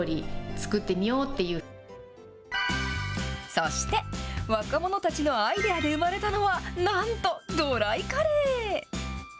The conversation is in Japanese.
そして若者たちのアイデアで生まれたのは、なんと、ドライカレー。